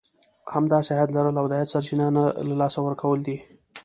همداسې عايد لرل او د عايد سرچينه نه له لاسه ورکول دي.